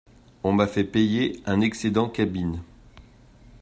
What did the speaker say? On m'a fait payer un excédent cabine!